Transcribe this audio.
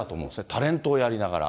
タレントをやりながら。